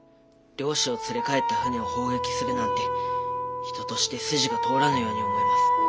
漁師を連れ帰った船を砲撃するなんて人として筋が通らぬように思います。